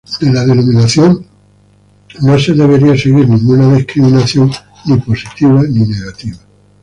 De la denominación no se debería seguir ninguna discriminación ni positiva ni negativa.